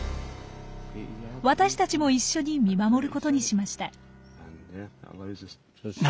私たちも一緒に見守ることにしました。